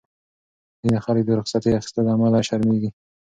ځینې خلک د رخصتۍ اخیستو له امله شرمېږي.